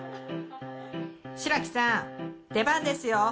・・しらきさん出番ですよ。